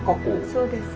そうです。